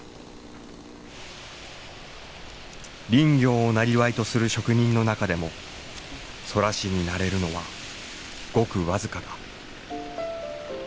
林業をなりわいとする職人の中でも空師になれるのはごく僅かだ。